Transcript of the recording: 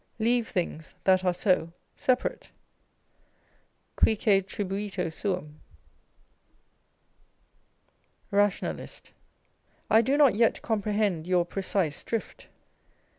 Leave things, that are so, separate. Cuique tribuito suum. Rationalist. I do not yet comprehend your precise drift.